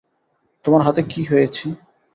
তোমার হাতে কী হয়েছে?